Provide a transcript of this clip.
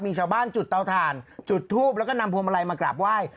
มีชาวบ้านจุดเตาถ่านจุดทูปแล้วก็นำพวงมาลัยมากราบไหว้